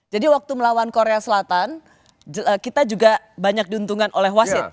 jadi waktu melawan korea selatan kita juga banyak diuntungkan oleh wasit